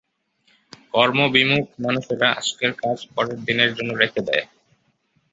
কর্মবিমুখ মানুষেরা আজকের কাজ পরেরদিনের জন্য রেখে দেয়।